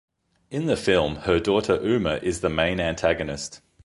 In the film, her daughter Uma is the main antagonist.